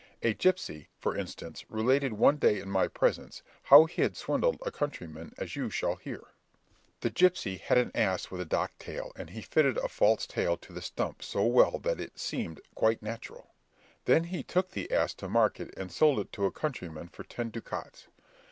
A gipsy, for instance, related one day in my presence how he had swindled a countryman as you shall hear: The gipsy had an ass with a docked tail, and he fitted a false tail to the stump so well that it seemed quite natural. Then he took the ass to market and sold it to a countryman for ten ducats.